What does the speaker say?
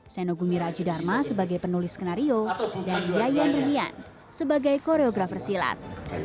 senogumi rajadharma sebagai penulis skenario dan yayan rian sebagai koreografer silat